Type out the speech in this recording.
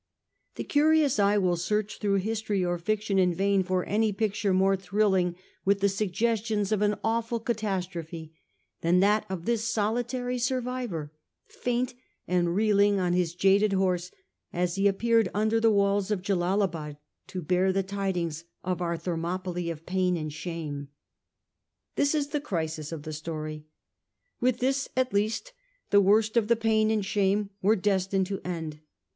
The curious eye will search through history or fiction in vain for any picture more thrilling with the sugges tions of an awful catastrophe than that of this soli tary survivor, faint and reeling on his jaded horse, as he appeared under the walls of Jellalabad, to bear the tidings of our Thermopylae of pain and shame. This is the crisis of the story. With this at least the worst of the pain and shame were destined to end.